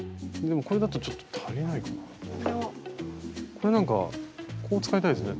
これなんかこう使いたいですね。